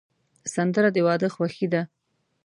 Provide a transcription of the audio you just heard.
سندره د واده خوښي ده